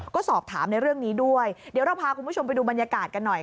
ก็สอบถามในเรื่องนี้ด้วยเดี๋ยวเราพาคุณผู้ชมไปดูบรรยากาศกันหน่อย